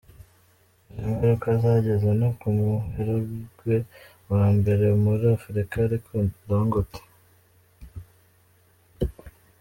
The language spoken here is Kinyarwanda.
Izo ngaruka zageze no ku muherwe wa mbere muri Afurika, Aliko Dangote.